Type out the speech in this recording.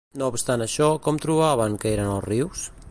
No obstant això, com trobaven que eren els rius?